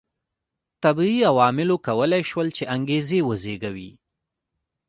طبیعي عواملو کولای شول چې انګېزې وزېږوي.